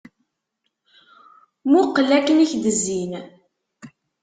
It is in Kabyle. Muqqel ayen i ak-d-izzin.